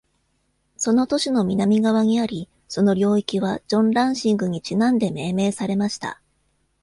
その都市の南側にあり、その領域はジョン・ランシングにちなんで命名されました。